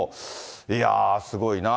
いやー、すごいな。